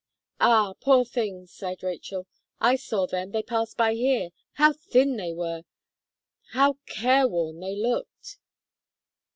"Ah! poor things!" sighed Rachel, "I saw them they passed by here. How thin they were bow careworn they looked!"